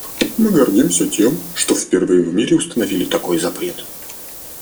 Мы гордимся тем, что первыми в мире установили такой запрет.